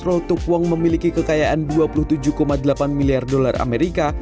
rotuk wong memiliki kekayaan dua puluh tujuh delapan miliar dolar amerika